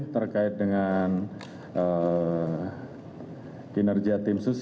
terkait dengan kinerja tim sus